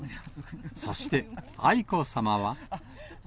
そして、愛子さまは。